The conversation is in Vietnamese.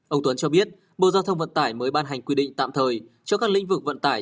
ông tuấn cho biết bộ giao thông vận tải mới ban hành quy định tạm thời cho các lĩnh vực vận tải